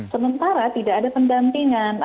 sementara tidak ada pendampingan